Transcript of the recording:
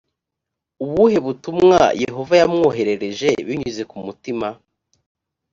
ubuhe butumwa yehova yamwoherereje binyuze ku mutima